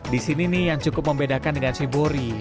di sini nih yang cukup membedakan dengan shibori